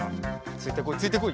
ついてこいついてこい。